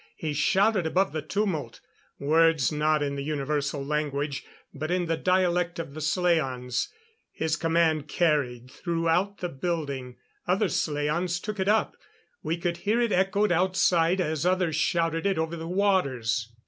He shouted above the tumult words not in the universal language, but in the dialect of the slaans. His command carried throughout the building. Other slaans took it up; we could hear it echoed outside as others shouted it over the waters.